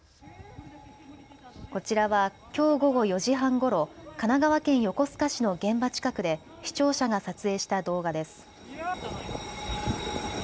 こちらはきょう午後４時半ごろ、神奈川県横須賀市の現場近くで視聴者が撮影した動画です。